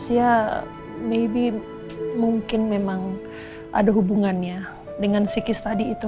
ya mungkin memang ada hubungannya dengan sikis tadi itu